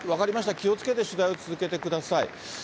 気をつけて取材を続けてください。